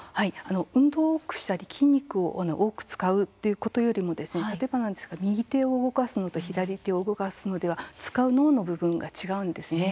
運動を多くしたり筋肉を多く使うということよりも例えばなんですが右手を動かすのと左手を動かすのでは使う脳の部分が違うんですね。